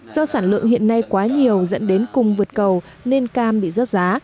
do sản lượng hiện nay quá nhiều dẫn đến cung vượt cầu nên cam bị rớt giá